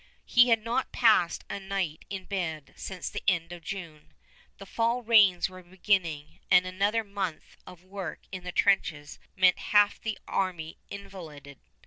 He had not passed a night in bed since the end of June. The fall rains were beginning, and another month of work in the trenches meant half the army invalided.